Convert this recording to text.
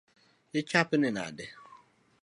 Ichapni nade?